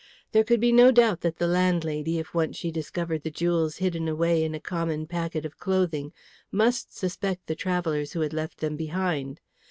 There could be no doubt that the landlady, if once she discovered the jewels hidden away in a common packet of clothing, must suspect the travellers who had left them behind.